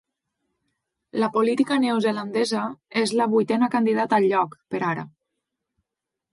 La política neozelandesa és la vuitena candidata al lloc, per ara.